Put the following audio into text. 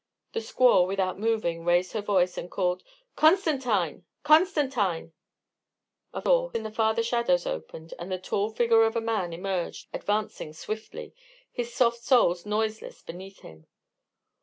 The squaw, without moving, raised her voice and called: "Constantine! Constantine!" A door in the farther shadows opened, and the tall figure of a man emerged, advancing swiftly, his soft soles noiseless beneath him.